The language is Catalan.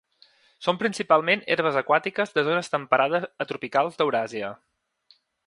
Són principalment herbes aquàtiques de zones temperades a tropicals d'Euràsia.